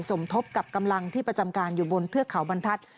สมทบกับกำลังที่ประจำการอยู่บนเทือกเขาบรรทัศน์